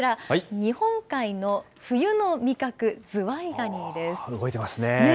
日本海の冬の味覚、ズワイガニで動いてますね。